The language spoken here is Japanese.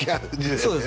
そうです